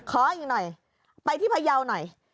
ขออีกหน่อยไปที่พยาวหน่อย